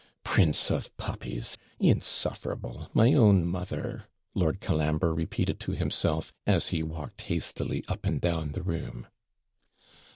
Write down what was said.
'Prince of puppies! insufferable! My own mother!' Lord Colambre repeated to himself, as he walked hastily up and down the room.